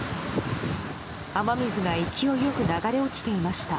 雨水が勢いよく流れ落ちていました。